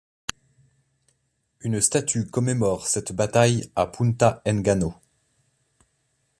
Une statue commémore cette bataille à Punta Engano.